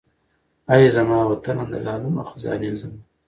اې زما وطنه د لالونو خزانې زما